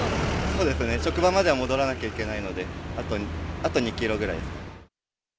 そうですね、職場までは戻らなきゃいけないので、あと２キロぐらい。